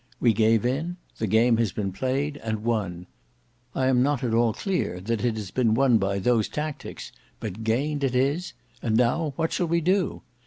We gave in; the game has been played, and won. I am not at all clear that it has been won by those tactics—but gained it is; and now what shall we do?